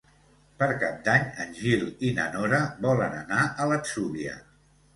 Per Cap d'Any en Gil i na Nora volen anar a l'Atzúbia.